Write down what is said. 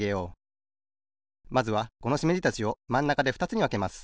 まずはこのしめじたちをまんなかでふたつにわけます。